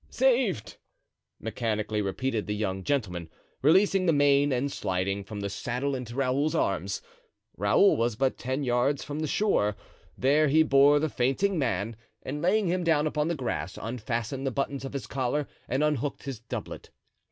"Saved!" mechanically repeated the young gentleman, releasing the mane and sliding from the saddle into Raoul's arms; Raoul was but ten yards from the shore; there he bore the fainting man, and laying him down upon the grass, unfastened the buttons of his collar and unhooked his doublet.